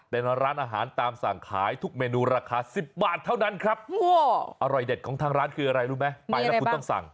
เป็นร้านอาหารตามสั่งขายทุกเมนูราคา๑๐บาทเท่านั้นครับอร่อยเด็ดของทางร้านคืออะไรรู้ไหมไปแล้วคุณต้องสั่ง